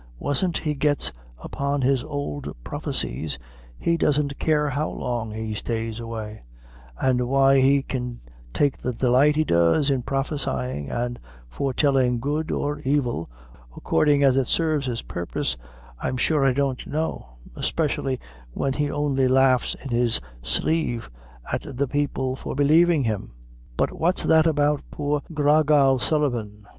Wanst he gets upon his ould prophecies, he doesn't care how long he stays away; an' why he can take the delight he does in prophesyin' and foretellin' good or evil, accordin' as it sarves his purpose, I'm sure I don't know espeshially when he only laughs in his sleeve at the people for believin' him; but what's that about poor Gra Gal Sullivan?